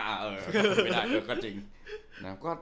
อ่าเออทำไม่ได้ก็จริง